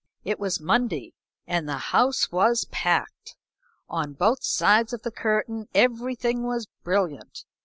It was Monday and the house was packed. On both sides of the curtain everything was brilliant.